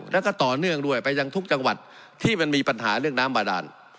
แล้วก็ต่อเนื่องด้วยไปยังทุกจังหวัดที่มันมีปัญหาเรื่องน้ำบาดาน